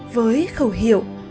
với khẩu hiệu